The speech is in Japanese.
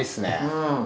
うん。